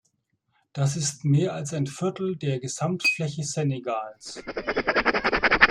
Das ist mehr als ein Viertel der Gesamtfläche Senegals.